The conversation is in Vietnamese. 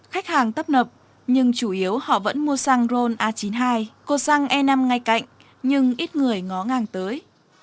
khách hàng tấp nập nhưng chủ yếu họ vẫn mua xăng ron a chín mươi hai cô xăng e năm ngay cạnh nhưng ít người ngó ngang tới